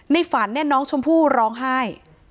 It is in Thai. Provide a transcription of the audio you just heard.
ฝันเนี่ยน้องชมพู่ร้องไห้